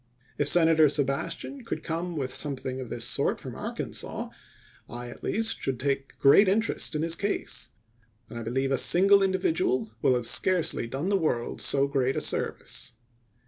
If Senator Sebastian could come with something of this sort from Arkansas, I at least should take great interest in his case ; and I believe a single individual will have scarcely done the world so great a service.